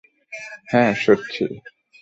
হ্যাঁ, সরছি।